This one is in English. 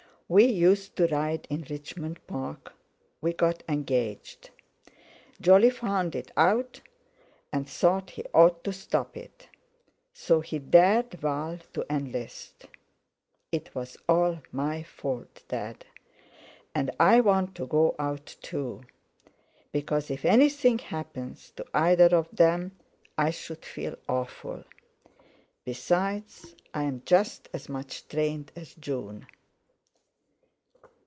We used to ride in Richmond Park; we got engaged. Jolly found it out, and thought he ought to stop it; so he dared Val to enlist. It was all my fault, Dad; and I want to go out too. Because if anything happens to either of them I should feel awful. Besides, I'm just as much trained as June."